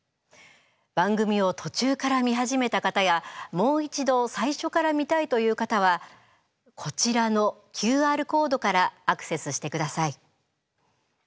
番組を途中から見始めた方やもう一度最初から見たいという方はこちらのＱＲコードからアクセスしてください。